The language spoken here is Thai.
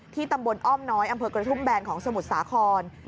ตำบลอ้อมน้อยอำเภอกระทุ่มแบนของสมุทรสาคร